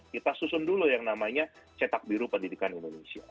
kita susun dulu yang namanya cetak biru pendidikan indonesia